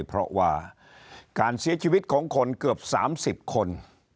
เพราะว่าการเสียชีวิตของคนเกือบ๓๐คน